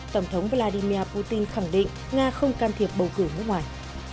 tổng thống vladimir putin khẳng định nga không can thiệp bầu cử nước ngoài